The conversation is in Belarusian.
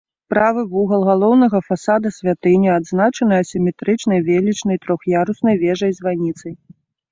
Правы вугал галоўнага фасада святыні адзначаны асіметрычнай велічнай трох'яруснай вежай-званіцай.